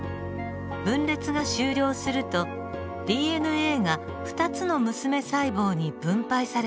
分裂が終了するとＤＮＡが２つの娘細胞に分配されています。